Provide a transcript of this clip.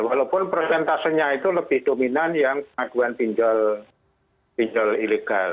walaupun prosentasenya itu lebih dominan yang pengaduan pinjol ilegal